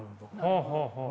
はあはあはあ。